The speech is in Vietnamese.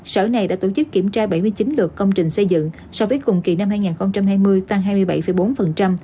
sở này đã tổ chức kiểm tra bảy mươi chín lượt công trình xây dựng so với cùng kỳ năm hai nghìn hai mươi tăng hai mươi bảy bốn